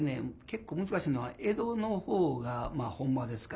結構難しいのは江戸のほうがほんまですからね。